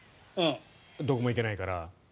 どこも行けないから。